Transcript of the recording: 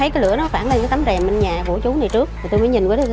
chỉ có mi rhgk